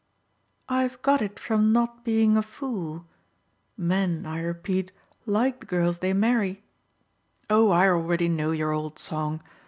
"I've got it from not being a fool. Men, I repeat, like the girls they marry " "Oh I already know your old song!